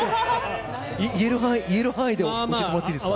言える範囲で教えてもらっていいですか。